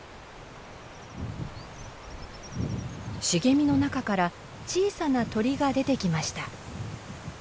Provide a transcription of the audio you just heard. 茂みの中から小さな鳥が出てきました。